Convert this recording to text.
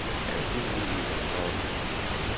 Ar timlilit a Tom.